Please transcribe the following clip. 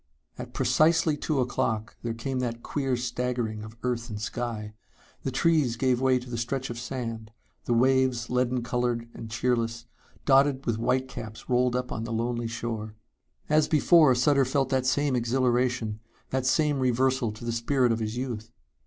At precisely two o'clock there came that queer staggering of earth and sky. The trees gave way to the stretch of sand; the waves, leaden colored and cheerless, dotted with white caps rolled up on the lonely shore. As before Sutter felt that same exhilaration, that same reversal to the spirit of his youth.